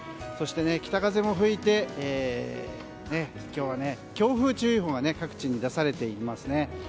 そして北風も吹いて今日は強風注意報が各地に出されています。